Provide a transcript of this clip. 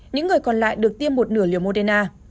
những người còn lại được tiêm một nửa liều moderna